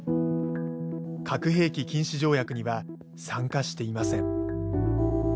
核兵器禁止条約には参加していません。